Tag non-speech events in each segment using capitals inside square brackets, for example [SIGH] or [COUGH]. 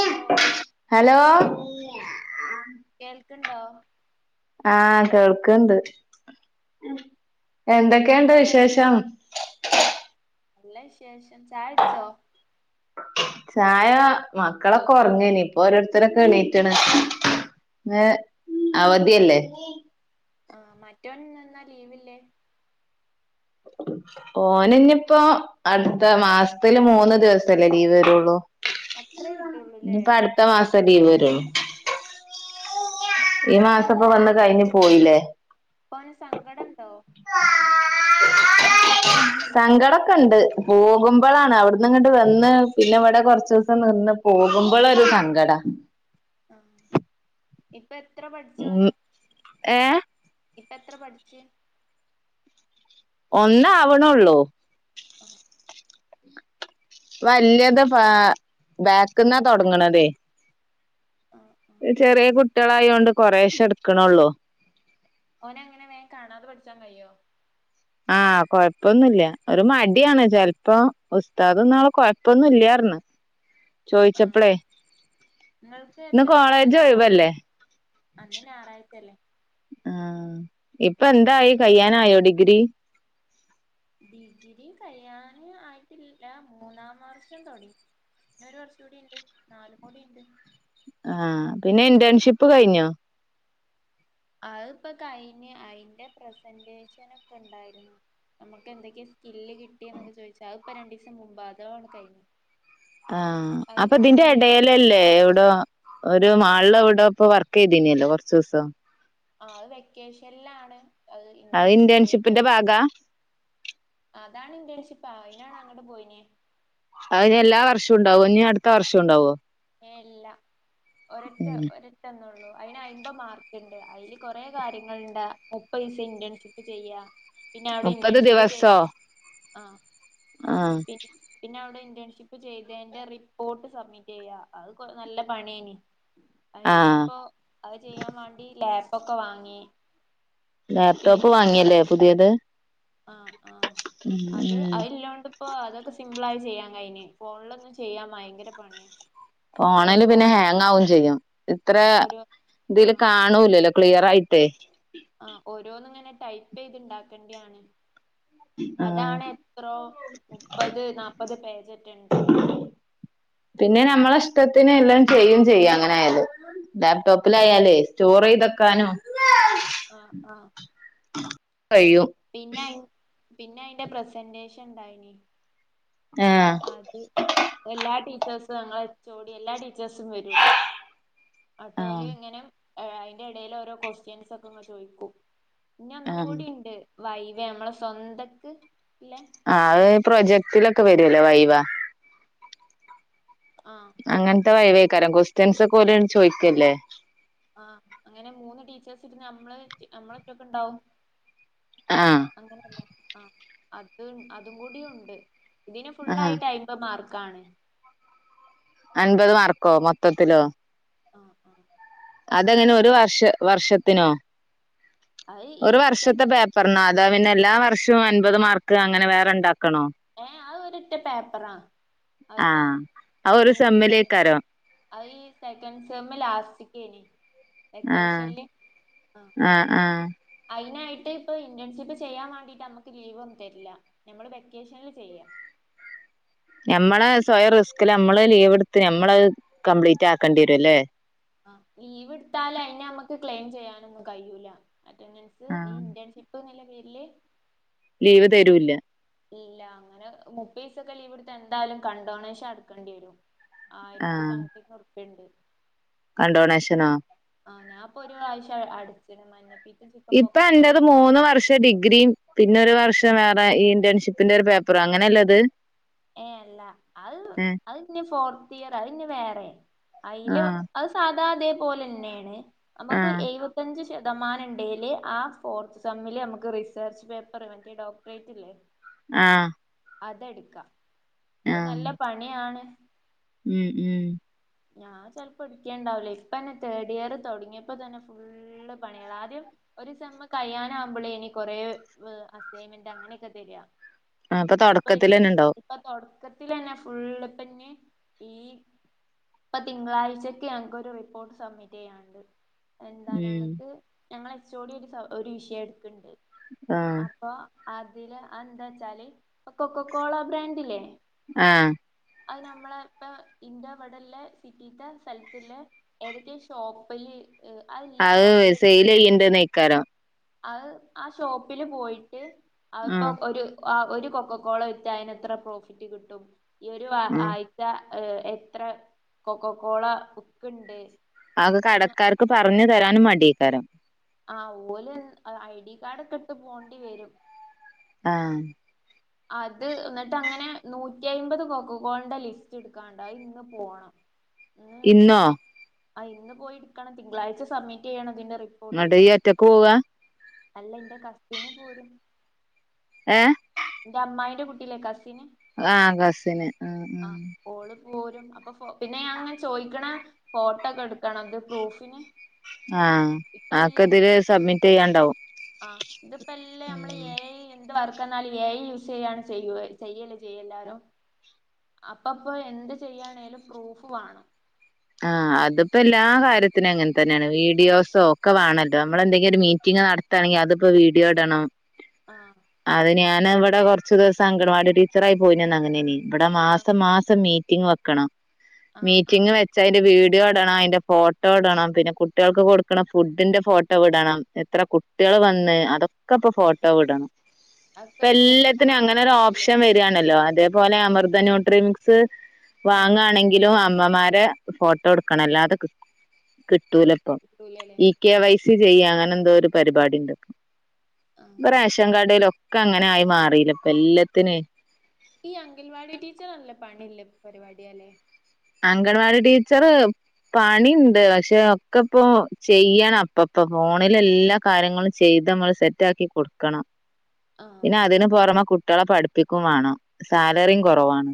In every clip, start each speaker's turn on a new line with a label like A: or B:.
A: Hello
B: hello
A: കേൾക്ക്ണ്ടോ
B: ആഹ് കേൾക്ക്ണ്ട് എന്തെക്കേണ്ട്
A: എന്താ വർ
B: വിശേഷം
A: നല്ല വിശേഷം ചായുടിച്ചോ
B: ചായ മക്കളൊക്കെ ഒർങ്ങേനി ഇപ്പൊ ഓരോര്ത്തരൊകെ എണീറ്റ്ണ് ഇന്ന് അവധിയല്ലേ
A: ആഹ് മറ്റോന് ഇന്നെന്നാ ലീവില്ലേ
B: ഓനിനിയിപ്പോ അട്ത്ത മാസ്ത്തില് മൂന്ന് ദിവസല്ലേ ലീവ് വരൊള്ളു
A: അത്രേ കിട്ടൊള്ളൂല്ലേ
B: ഇനിപ്പ അട്ത്ത മാസം ലീവരൊള്ളൂ ഈ
A: ഓനെന്താ
B: മാസപ്പ വന്ന് കഴിഞ്ഞ് പോയിലെ
A: ഇപ്പോന് സങ്കടണ്ടോ
B: സങ്കടൊക്കെണ്ട് പോകുമ്പളാണ് അവിട്ന്ന് ഇങ്ങട് വന്ന് പിന്നെ ഇവടെ കൊർച്ചൂസം നിന്ന് പോകുമ്പൊളൊരു സങ്കടാ
A: ആഹ് ഇപ്പെത്ര പഠിച്ചോന്
B: ഏഹ്
A: ഇപ്പെത്ര പഠിച്ച്
B: ഒന്നാവ്ണൊള്ളൂ
A: ആഹ്
B: വല്യത് ബാ ബാക്ക്ന്നാ തൊടങ്ങ്ണതെ
A: ആഹ് ആഹ്
B: ചെറിയ
A: ആഹ്
B: കുട്ടിയോളായതോണ്ട് കൊറേശെ ഇടക്കണൊള്ളൂ
A: ഓനെങ്ങനെ വേം കാണാതെ പഠിച്ചാൻ കയ്യോ
B: ആഹ് കൊഴപ്പൊന്നുല്ല ഒരു മടിയാണ് ചെലപ്പോ ഉസ്താദ്ന്നാള് കൊഴപ്പൊന്നുല്ലാർന്ന്
A: ആഹ്
B: ചോയ്ച്ചപ്പളേ
A: ഇങ്ങൾക്ക് എത്ര വട്ടാണ് കാണാ
B: ഒഴിവല്ലേ ആഹ്
A: ഞായറാ
B: ഇപ്പന്തായി കയ്യാനായോ ഡിഗ്രി
A: ഡിഗ്രി കയ്യാന് ആയിട്ടില്ല മൂന്നാം വർഷം തൊടങ്ങി ഇഞ്ഞൊരു വർഷൂടിണ്ട് നാലും കൂടിണ്ട്
B: ആഹ് പിന്നെ ഇന്റേൺഷിപ്പ് കഴിഞ്ഞോ
A: അതിപ്പൊ കയിഞ്ഞ് അയ്ന്റെ പ്രസന്റേഷനൊക്കെ ഇണ്ടായിരുന്നു നമുക്ക് എന്തൊക്കെ സ്കില്ല് കിട്ടി എന്നൊക്കെ ചോയ്ച്ച് അത്പ്പം രണ്ടീസം മുമ്പാ അതോണ് കഴിഞ്ഞ്
B: ആഹ് അപ്പം ഇതിന്റെ എടേലല്ലേ ഓടോ ഒരു മാൾളെവിടോപ്പോ വർക്കെയ്തീനില്ലോ കൊർച്ചോസം
A: അത് വെക്കേഷനിലാണ്
B: അത്
A: ഇന്റേൺഷിപ്പ് ചെയ്യണ്ടേ
B: ഇന്റേൺഷിപ്പിന്റെ ഭാഗാ
A: അതാണ് ഇന്റേൺഷിപ്പ് ആ അയിനാണ് അങ്ങോട്ട് പോയിനെ.
B: അതിന് എല്ലാ വർഷവും ഇണ്ടാവോ അടുത്ത വർഷം ഇണ്ടാവോ
A: ല്ല ഒരൊറ്റ
B: ഉം
A: ഒര ഒറ്റൊന്നൊള്ളൂ അയിന് അമ്പത് മാർക്കിണ്ട് അതിൽ കൊറെ കാര്യങ്ങളുണ്ട് മുപ്പത് ദിവസം ഇന്റേൻഷിപ്പ് ചെയ്യ പിന്നെ അവിടെ
B: മുപ്പത്
A: ഇന്റേൺഷിപ്പ് ചെയ്
B: ദിവസോ
A: ആ
B: ആഹ്
A: പി പിന്നെ അവിടെ ഇന്റേൺഷിപ്പ് ചെയ്തതിന്റെ റിപ്പോർട്ട് സബ്മിറ്റ് ചെയ്യ അത് പൊ നല്ല പണിയേനി
B: ആഹ്
A: അയ്നിപ്പോ. അത് ചെയ്യാൻ വേണ്ടി ലാപ്പൊക്കെ വാങ്ങി. പിൻ
B: ലാപ്ടോപ്പ് വാങ്ങില്ലേ പുതിയത്
A: ആഹ് ആഹ
B: ഉം
A: അത്
B: ഉം
A: അയിലില്ലോണ്ട് ഇപ്പൊ അതൊക്കെ സിമ്പിൾ ആയി ചെയ്യാൻ കഴിഞ്ഞ് ഫോണിലൊന്നും ചെയ്യാൻ ഭയങ്കര പണിയാ.
B: ഫോണിൽ
A: ഓരോ
B: പിന്നെ ഹാങ്ങ്ആകും ചെയ്യും ഇത്ര
A: ഓരോ
B: ഇതിൽ
A: ആഹ്
B: കാണൂലല്ലോ? ക്ലിയർ ആയിട്ടേ
A: ആ ഓരോന്നുങ്ങനെ ടൈപ്പ് ചെയ്ത്ണ്ടാക്കണ്ടയാണ്.
B: ആഹ്
A: അതാണ് എത്രോ മുപ്പത് നാല്പ്പത് പേജ് റ്റേ ഉണ്ട്
B: പിന്നെ നമ്മളെ ഇഷ്ടത്തിന് എല്ലാം ചെയ്യും ചെയ്യു അങ്ങനെയായതോണ്ട് ലാപ്ടോപ്പ്.
A: ആഹ്
B: പ്പിലായാലേ സ്റ്റോർ
A: ആഹ്
B: ചെയ്തക്കാനും
A: ആഹ് ആഹ്
B: കഴിയും.
A: പിന്നെ ആയി പിന്നെ അയിന്റെ പ്രസന്റേഷൻ ഉണ്ടായിനി.
B: ആഹ്
A: അത് എല്ലാ ടീച്ചേഴ്സും ഞങ്ങളുടെ എചോടി എല്ലാ ടീ വ്യത്യാസം വരും അട്ടോലി
B: ആഹ്
A: ഇങ്ങനെ. ഏ അതിന്റെ എടയിൽ ഓരോ ക്വസ്റ്റ്യൻസ് ഒക്കെ അങ്ങ് ചോദിക്കും പിന്നെ ഒന്നും
B: ആഹ്
A: കൂടി ഉണ്ട്. വൈവ നമ്മളെ സ്വന്തക്ക് ഇല്ലെ.
B: ആഹ് അത് പ്രൊജക്ടിലൊക്കെ വരല്ലോ വൈവ.
A: ആഹ്
B: അങ്ങനത്തെ വൈവേക്കാരം ക്സ്റ്റൻസ് ഒക്കെഓല്ണ് ചോദിക്കല്ലേ?
A: ആഹ് അങ്ങനെ മൂന്ന് ടീച്ചേഴ്സ് ഇരുന്ന് നമ്മള് നമ്മളൊറ്റക്ക്ണ്ടാവും.
B: ആഹ്
A: അങ്ങനെയല്ലേ ആ അത് അതും കൂടിയുണ്ട് ഇതിന് ഫുൾ
B: ആഹ്
A: ആയിട്ട്. മാർക്കാണ്.
B: അൻപത് മാർക്കോ മൊത്തത്തിലോ?
A: ആഹ് ആഹ്
B: അതെങ്ങനെ ഒരു വർഷ വർഷത്തിനോ?
A: അത് ഈ
B: ഒരു വർഷത്തെ
A: സെക്ക
B: പേപ്പറിനോ അതോ പിന്നെ എല്ലാ വർഷവും അൻപത് മാർക്ക് അങ്ങനെ വേറെ ഇണ്ടാക്കണോ?
A: ഏഹ് അത് ഒറ്റ പേപ്പറാ അതിപ്പോ
B: ആഹ് അത് ഒരു
A: ഇതും കൂടി കാര്.
B: സെമ്മിലേക്കാരം
A: അത് ഈ സെക്കൻഡ് സെമ് ലാസ്റ്റിക്കനി.
B: ആഹ്
A: വെക്കേഷനിൽ ആ
B: ആഹ് ആഹ്
A: അതിനായിട്ട് ഇപ്പൊ ഇന്റേൺഷിപ്പ് ചെയ്യാൻ വേണ്ടിട്ട് നമ്മുക്ക് ലീവ് ഒന്നും തരില്ല നമ്മ ൾ വെകേഷനിൽ ചെയ്യ.
B: ഞമ്മള് സ്വയം റിസ്കില് നമ്മള് ലീവ് എടുത്ത് നമ്മള് കംപ്ലീറ്റ് ആക്കേണ്ടി വരുല്ലേ?
A: ആ ലീവ് എടുത്താല് അയി നമ്മക്ക് ക്ലെയിം ചെയ്യാനൊന്നും കയുല. അറ്റൻഡൻസ് ഈ
B: ആഹ്
A: ഇന്റേൺഷിപ്പ് എന്ന പേരില്.
B: ലീവ് തരൂല്ല.
A: ഇല്ല അങ്ങനെ മുപ്പതീസൊക്കെ ലീവ് എടുത്ത എന്തായാലും കൺ ഡോണേഷൻ അടക്കേണ്ടി വരും. ആയിരത്തി സംത്തിംഗറുപ്പണ്ട്.
B: കൺഡോണേഷനോ?
A: ആഹ് ഞാന്പ്പൊ ഒരു പ്രാവശ്യം അടിച്ച് മഞ്ഞ.
B: ഇപ്പൊ എന്റത് മൂന്ന് വർഷം. ത്തെ ഡിഗ്രിയും പിന്നെ ഒരു വർഷം വേറെ ഈ ഇന്റേൺഷിപ്പിന്റെ ഒരു പേപ്പറും അങ്ങനെയേല്ലത്.
A: ഏഹ് അല്ല അത് അതിന്നെ ഫോർത്ത് ഇയർ അതിന്നെ വേറെ അയില് അത് സാധാ അതേപോലെന്നെയാണ് നമുക്ക്
B: ആഹ്
A: പത്തഞ്ച് ശതമാനം ഇണ്ടയിലെ ആ ഫോർത്ത് സമ്മിൽ നമുക്ക് റിസർച്ച് പേപ്പർ മറ്റേ ഡോക്ടറേറ്റ്ല്ലേ
B: ആഹ്
A: അതെടുക്കാം അത്
B: ആഹ്
A: നല്ല പണിയാണ്
B: ഉം ഉം
A: ഞാൻ ചിലപ്പോ എടുക്കേണ്ടാവില്ലേ ഇപ്പന്നെ തേർഡ് ഇയർ തുടങ്ങിയപ്പോ തന്നെ ഫുള്ള് പണിയാണ് ആദ്യം ഒരു സമ്മ് കഴിയാനാവകുമ്പോളേ ഇനി കൊറെ അസൈൻമെന്റ് അങ്ങനെയൊക്കെ തരിയാ
B: ആ അപ്പൊ തുടക്കത്തിൽ തന്നെ ഉണ്ടാവും
A: ഇപ്പൊ തുടക്കത്തി തന്നെ ഫുള് പിന്നെ ഈ ഇപ്പൊ തിങ്കളാഴ്ചക്കെ ഞങ്ങൾക്കരു റിപ്പോർട്ട് സബ്മിറ്റ് ചെയ്യാനുണ്ട്. എന്താ
B: ഉം
A: ഞങ്ങൾക്ക് ഞങ്ങ എച്ചുകൂടി ഒരു ഒരു വിഷയം എടുക്കണ്ട്
B: ആഹ്
A: അപ്പൊ അതില് അതെന്താ വച്ചാല് കൊക്ക കോള ബ്രാൻഡില്ലേ
B: ആഹ്
A: അത് നമ്മളെ ഇപ്പ ഇന്റെ ഇവടെ ഉള്ളസിറ്റീത്തെ സ്ഥലത്തില്ലെ ഏതൊക്കെയ ഷോപ്പില് ഏയ് ഐ
B: അത് സെൽ ചെയ്യണ്ട നക്കാരോ
A: അത് ആ ഷോപ്പില് പോയിട്ട് അപ്പോ
B: ആഹ്
A: ഒരു ഒരു കൊക്കകോള വിറ്റാഅയിനെ എത്ര പ്രോഫിറ്റ് കിട്ടും ഈ ഒരു
B: ആഹ്
A: ആഴ് എത്ര കൊ കൊ കോള വിക്ക ണ്ട്
B: അത് കടക്കാർക്ക് പറഞ്ഞു തരാനും മടിയക്കാരം
A: ആ ഓല് ഐ ഡി കാർഡ് ഒക്കെ ഇട്ട് പോകേണ്ടി വരും
B: ആഹ്
A: അത് എന്നിട്ട് അങ്ങനെ നൂറ്റി അമ്പത് കോക്കോ കോളന്റെ ലിസ്റ്റ് എടുക്കാണ്ട് അത് ഇന്ന് പോണം
B: ഇന്നോ
A: ഇന്ന്മൂന്ന് ആ ഇന്ന് പോയി ഇടുക്കണം തിങ്കളാഴ്ച സബ്മിറ്റ് ചെയ്യണം അതിന്റെ
B: ങ്ങട് ഈ ഒറ്റക്ക് പോവുക
A: അല്ല എന്റെ കസ്റ്റന് പോലും
B: ഏ
A: എന്റെ അമ്മായിയുടെ കുട്ടിലെ കസിന്
B: ആകസിന് ഉ ഉ
A: ആ ഓള് പോരും അപ്പൊ പിന്നെ ഞാൻ അങ്ങനെ ചോദിക്കണ ഫോട്ടോക്കെ എടുക്കണ് അന്റെ പ്രൂഫിന്
B: ആഹ് ആക്ക ഇതില് സബ്മിറ്റ് ചെയ്യാണ്ടാവും
A: ആഹ് ഇതിപ്പോ എല്ലേ നമ്മള് ഏ ഐ എന്ത് വർക്ക് തന്നാലും ഏ. ഐയൂസ് ചെയ്യയാണ് ചെയ്യ ചെയ്യല് ചെയ്യ എല്ലാരും അപ്പപ്പോ എന്ത് ചെയ്യയാണേങ്കിലും പ്രൂഫ് വേണം
B: ആ അതിപ്പോ എല്ലാ കാര്യത്തിനും അങ്ങനെ തന്നെയാണ് വീഡിയോസോ ഒക്കെ വേണല്ലോ നമ്മള എന്തെങ്കിലും ഒരു മീറ്റിംഗ നട തണങ്ക അത്പ്പൊ വീഡിയോ ഇടണം
A: ആഹ്
B: അത് ഞാൻ ഇവിടെ കുറച്ചു ദിവസം അങ്കണവാടി ടീച്ചറായി പോയിന്ന് അങ്ങനെനി ഇവിടെ
A: ആ
B: മാസം മാസം മീറ്റിംഗ് വെക്കണം
A: ആ ആ
B: മീറ്റിഗ് വെ ച്ചഅതിന്റെ വീഡിയോ ഇടണം അതിന്റെ ഫോട്ടോ ഇടണം പിന്നെ കുട്ടികൾക്ക് കൊടുക്കണ ഫുഡിന്റെ ഫോട്ടോ ഇടണം എത്ര കുട്ടികൾ വന്ന് അതൊക്കെ ഇപ്പ ഫോട്ടോ വിടണം ഇപ്പ
A: അതൊക്കെ പ്രൂഫിന്
B: എല്ലാത്തിനും അങ്ങനെ ഒരു
A: വേണ്ടിട്ടായിരിക്കുംല്ലേ
B: ഓപ്ഷൻ വ ണല്ലോ അതേപോലെ അമൃത ന്യൂട്രിമിക്സ്
A: ആ
B: വാങ്ങാണെങ്കിലും അമ്മമാരെ ഫോട്ടോ എടുക്കണം അല്ലാതെ കിട്ടൂലപ്പം
A: കിട്ടൂലല്ലേ
B: ഈ കെ വൈസി ചെയ്യ അങ്ങനെ എന്തോ ഒരു പരിപാടി ഉണ്ട്
A: ആ
B: പ്പം [UNINTELLIGIBLE] റേഷൻകാടയിലൊക്കെ അങ്ങനെ ആയി മാറിയില്ലോ ഇപ്പൊ എല്ലാത്തിന്
A: ഈ അംഗൽവാടി ടീച്ചർ നല്ല പണില്ലെ പരിപാടിയല്ലേ
B: അംഗൻവാടി ടീച്ചർ പണിണ്ട് പക്ഷെ ഒക്കെ അപ്പൊ അപ്പൊ ചെയ്യണം അപ്പൊ അപ്പൊ ഫോണില് എല്ലാ കാര്യങ്ങളും ചെയ്ത് നമ്മള് സെറ്റ് ആക്കി കൊടുക്കണം
A: ആ
B: പിന്നെ അതിന് പുറമെ കുട്ടികളെ പഠിപ്പിക്കുവേണം സാലറിയും കുറവാണ്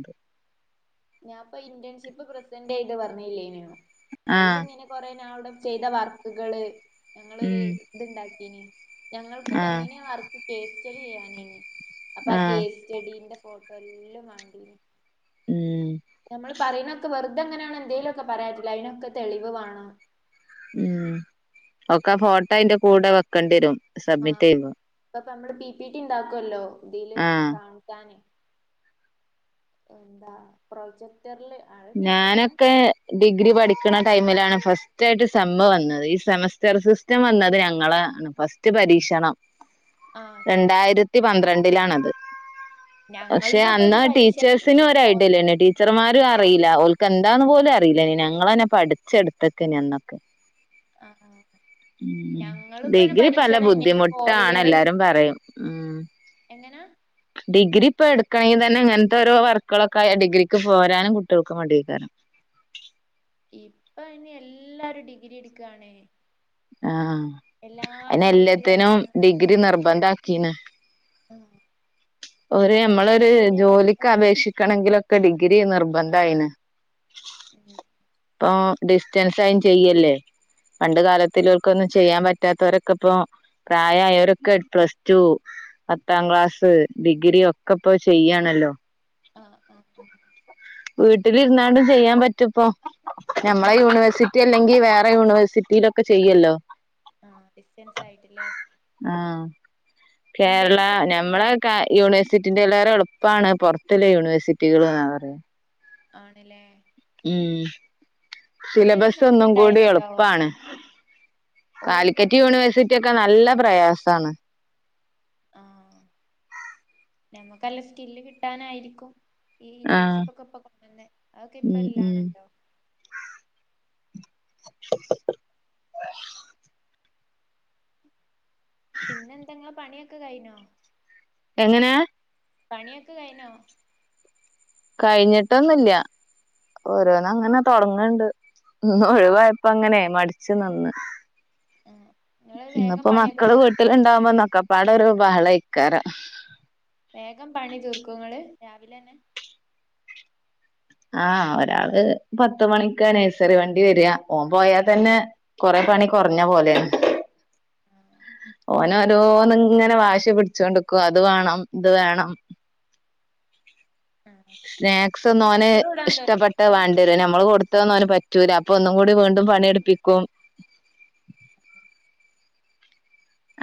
A: ഞാൻ ഇപ്പ ഇന്റേൺഷിപ്പ് പ്രസന്റ് ചെയ്ത് പറഞ്ഞില്ലേനോ അതിൽ
B: ആഹ്
A: ഇങ്ങനെ കൊറേ ഞങ്ങൾ അവിടെ ചെയ്ത വർക്കുകള് ഞങ്ങളൊരു
B: ഉം
A: ഇത്ണ്ടാക്കീന് ഞങ്ങൾക്ക്
B: ആഹ്
A: തന്നീന്ന വർക്ക് കേസ് ചെടി ചെയ്യാനേനി അപ്പൊ ആ
B: ആഹ്
A: കേസ് ചെഡീന്റെ ഫോട്ടോ എല്ലാം വണ്ടി ന്നു
B: ഉം
A: നമ്മൾ പറയുന്നൊെക്കെ വെർ അതെങ്ങനെയാണ് എന്തെങ്കലും ഒക്കെ പറയാത്തിട്ട് അതിനൊക്കെ തെളിവ് വേണം
B: ഉം ഒക്കെ ഫോട്ടോ അയിന്റെ കൂടെ വെക്കേണ്ടി വരും സബ്മിറ്റ്
A: ആഹ്
B: ചെയ്യുമ്പോ
A: പ്പ നമ്മള് പി പി ടി ണ്ടാക്കൊല്ലോ തില്
B: ആഹ്
A: കാണിക്കാന് എന്താ പ്രൊജക്ടർല്
B: ഞാനൊക്കെ ഡിഗ്രി പഠിക്കണ ടൈമിലാണ് ഫസ്റ്റായിട്ട് സെമ് വന്നത് ഈ സെമസ്റ്റർ സിസ് റ്റം വന്നത് ഞങ്ങളെ ഫസ്റ്റ് പരീക്ഷണം.
A: ആഹ്
B: രണ്ടായിരത്തി പന്ത്രണ്ടിലാണത്. പക്ഷെ
A: ഞങ്ങളതും ഇപ്പൊ ഒരു
B: അന്നാ
A: പരീക്ഷണം തന്നെ ഈ ഫോർ
B: ടീച്ചേഴ്സിനൊരൈഡ്യലേനി ടീ ച്ചർമാരുറീല്ല ഓൽക്ക് എന്താന്ന് പോലും അറിലേനി ഞങ്ങളെന്നെ പഠിച്ചെട്ത്തക്കേനി അന്നൊക്കെ
A: ആഹ് ആഹ്
B: ഉം
A: നങ്ങള്പ്പോര്
B: ഡിഗ്രി പല
A: പരീക്ഷണന്നേനി
B: ബുദ്ധിമുട്ടാണ്
A: ഫോറിയർ
B: എല്ലാരും പറയും ഉം
A: എങ്ങനാ
B: ഡിഗ്രി പ്പൊ എട്ക്കണെങ്കി തന്നെ ഇങ്ങൻത്തൊരോ വർക്കുകളൊക്കായ ഡിഗ്രിക്ക് പോരാനും കുട്ട്യൾക്ക് മട്യേകാരം.
A: ഇപ്പയ്ന് എല്ലാരും ഡിഗ്രിട്ക്കാണ്.
B: ആഹ് അയിന്
A: പ്ലസ് ടു കഴിഞ്ഞ
B: എല്ലത്തിനും ഡിഗ്രി നിർബന്ധാക്കീണ്.
A: ആഹ് ഇപ്പൊ
B: ഒര്
A: ഫോർ ഇയറും
B: അമ്മളൊര്
A: കൂടി ആയപ്പോ
B: ജോലിക്ക് അപേക്ഷിക്കണെങ്കിലൊക്കെ ഡിഗ്രി നിർബന്ധയിണ്.
A: ഉം
B: പ്പൊ ഡിസ്റ്റൻസായും ചെയ്യല്ലേ പണ്ട് കാലത്ത്ലോല് കൊന്നും ചെയ്യാൻ പറ്റാത്തൊരൊക്കപ്പൊ പ്രായായോരെക്കെ പ്ലസ് ടു, പത്താം ക്ലാസ് ഡിഗ്രി ഒക്കെപ്പോ ചെയ്യാണല്ലോ
A: ആഹ് ആഹ് ആഹ്
B: വീട്ടിലിര്ന്നാണ്ട് ചെയ്യാൻ പറ്റുപ്പോ ഞമ്മളെ
A: ആഹ്
B: യൂണിവേഴ്സിറ്റ്യല്ലെ ങ്കി വേറെ യൂണിവേഴ്സിറ്റിയിലൊക്കെ ചെയ്യല്ലോ
A: ആഹ് ഡിസ്റ്റൻസായിട്ട്ല്ലേ
B: ആഹ് കേരള
A: ഒരു ഫ്രണ്ട്
B: നമ്മളാ
A: ഇണ്ടായി
B: ക്ക യൂണിവേ സിറ്റിന്റെ ലേറെ എള്പ്പാണ് പൊർത്ത് ല്ലെ യൂണേഴ്സിറ്റികള്ന്നാ പറിണെ
A: ആണ്ല്ലേ
B: ഉം
A: ഇന്റെ ഒരു
B: സിലബസ്
A: ഫ്രണ്ട്
B: ഒന്നും കൂടി
A: ഇണ്ടായിനിട്ടോ
B: എള്പ്പാണ്
A: ഓളിപ്പോ
B: കാലിക്കറ്റ്
A: ടി ടി
B: യൂണിവേഴ്സി റ്റ്യൊക്കെ നല്ല പ്രയാസാണ്.
A: ആഹ് നമ്മക്കല്ലെ സ്കില്ല് കിട്ടാനായിരിക്കും. ഈ
B: ആഹ്
A: ഇന്റേൺഷിപ്പൊക്കെ ഇപ്പൊ കൊ [UNINTELLIGIBLE] ന്നെ അതൊക്കെ
B: ഉം ഉം
A: പ്പല്ലാണല്ലോ പിന്നെന്താ ഇങ്ങളെ പണ്യൊക്കെ കയ്ഞ്ഞോ?
B: എങ്ങനെ
A: പണ്യൊക്കെ കയ്നോ?
B: കയ്ഞ്ഞിട്ടൊന്നുല്ല. ഓരോന്നങ്ങനെ തൊട്ങ്ങ്ണ്ട് ഇന്നൊഴിവായപ്പങ്ങനെ മട്ച്ച് നിന്ന്
A: ആഹ് ഇങ്ങള് വേഗം
B: ഇന്ന്പ്പോ
A: പണിയൊക്കെ
B: മക്കള്
A: തീർക്കോ
B: വീട്ടില് ണ്ടാവുമ്പോ ന്നൊക്ക പാടൊര് ബഹളെക്കാരം
A: വേഗം പണി തീർക്കുങ്ങള് രാവിലെന്നെ
B: ആഹ ഒരാള് പത്ത മണിക്ക നഴ്സറി വണ്ടി വെരാ ഓം പോയാ തന്നെ കൊറെ പണി കൊർഞ്ഞ പോലെണ്.
A: ആഹ്
B: ഓനോരോന്ന്ങ്ങനെ വാശി പിടിച്ചോണ്ട്ക്കും അത് വേണം ഇത് വേണം
A: [INAUDIBLE]
B: സ്നാക്സ്
A: ഓല്
B: ന്നൊന്
A: കച്ചറ കൂടാൻ
B: ഇഷ്ടപ്പെട്ട
A: തൊടങ്ങിയപ്പോ
B: വാണ്ട്യരു അയ്ന് അമ്മള് കൊട്ത്തോന്നോന് പ റ്റൂല അപ്പൊ ഒന്നും കൂടി വീണ്ടും പണിട്പ്പിക്കും.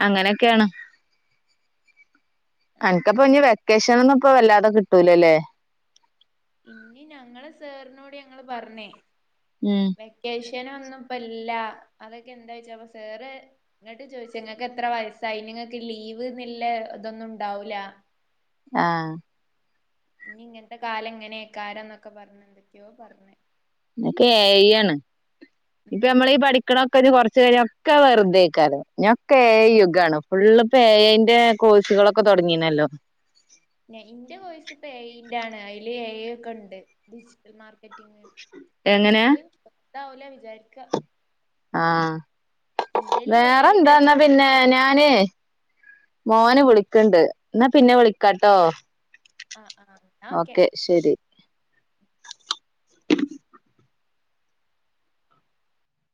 B: അങ്ങനെക്കെണ്
A: ആഹ്
B: അൻക്ക്‌പ്പ
A: ആഹ്
B: ഇഞ് വെ ക്കെഷനന്നും ഇപ്പൊ വല്ലാതെ കിട്ടൂല ലെ
A: ഇഞ് ഞങ്ങള് സെർനോട് ഞങ്ങള് പർഞ്ഞേ
B: ഉം
A: വെക്കേഷനൊന്നും ഇപ്പ ഇല്ല അതൊക്കെ എന്താ വെച്ചാ പ്പൊ സെറ് ഇങ്ങട്ട് ചോഴിച് ങ്ങക്ക് എത്ര വയസ്സായി ഇഞ് ങ്ങക്ക് ലീവ് ന്ന്ല്ല തൊന്നും ഉണ്ടാവൂല
B: ആഹ്
A: ഇഞ് ഇങ്ങൻത്തെ കാലം എങ്ങനെക്കാരം ന്നൊക്കെ പർഞ് എന്തൊക്കെയോ പർഞ്
B: തൊക്കെ എ ഐ യാണ് ഇപ്പ നമ്മളീ
A: ഉം
B: പഠി [UNINTELLIGIBLE] കൊർച്ച്‌ കഴിഞ്ഞ ഒക്കെ വെർതെക്കാരം ഇഞ്ഞൊക്കെ എ ഐ യുഗാണ് ഫുള്ള് ഇപ്പൊ എ ഐ ന്റെ കോഴ്സുകളൊക്കെ തോട്ങ്ങിണല്ലോ
A: ഇന്റെ വോയിസ് ഇപ്പൊ എ ഐ ന്റെ ആണ് അഴില് എ ഐ ഒക്കണ്ട് ഡിജിറ്റൽ മാർ റ്റിങ്
B: എങ്ങനെ
A: അതുകൊണ്ട് താവൂല വിചാര്ക്ക
B: ആഹ്
A: ഐ
B: വേറെന്താന്നാ
A: പേപ്പറൊക്കെ
B: പിന്നെ
A: ഇണ്ട്
B: ഞാന്
A: ആഹ്
B: മോന് വിളിക്ക്‌ണ്ട് ന്നാ പിന്നെ വിളിക്കാട്ടോ
A: ആഹ് ആഹ് ന്നാ ഓക്കെ